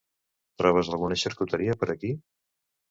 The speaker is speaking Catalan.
Trobes alguna xarcuteria per aquí?